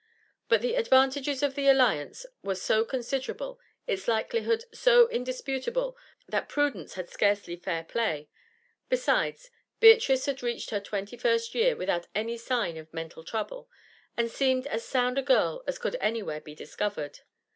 But the advantages of the alliance were so considerable, its likelihood so indisputable, that prudence had scarcely fair play; besides, Beatrice had reached her twenty first year without any sign of mental trouble, and seemed as sound a girl as could anywhere be discovered.